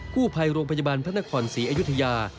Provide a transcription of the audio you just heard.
กู้ภัยโรงพยาบาลพระนครศรีอยุธยา